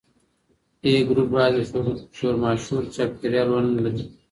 A ګروپ باید شورماشور چاپیریال ونه لري.